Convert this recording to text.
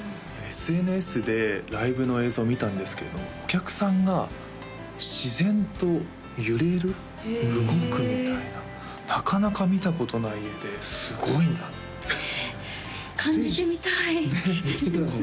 ＳＮＳでライブの映像見たんですけれどお客さんが自然と揺れる動くみたいななかなか見たことない画ですごいなって感じてみたい来てください